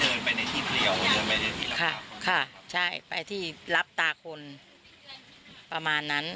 เดินไปในที่แหละครับค่ะค่ะใช่ไปที่รับตาคนประมาณนั้น